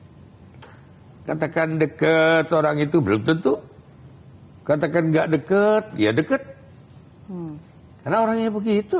hai katakan deket orang itu belum tentu katakan enggak deket dia deket karena orangnya begitu